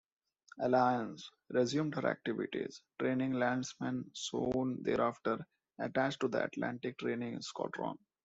"Alliance" resumed her activities, training landsmen, soon thereafter, attached to the Atlantic Training Squadron.